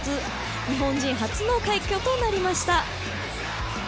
日本人初の快挙となりました。